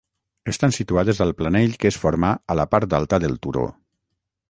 Estan situades al planell que es forma a la part alta del turó.